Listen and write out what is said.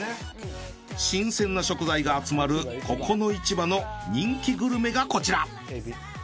新鮮な食材が集まるここの市場の人気グルメがこちら。